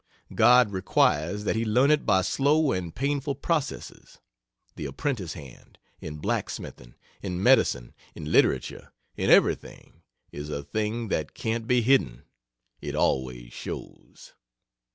God requires that he learn it by slow and painful processes. The apprentice hand, in black smithing, in medicine, in literature, in everything, is a thing that can't be hidden. It always shows.